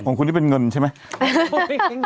ของคุณนี่เป็นเงินใช่ไหม